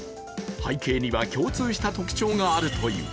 背景には共通した特徴があるという。